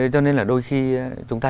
cho nên là đôi khi chúng ta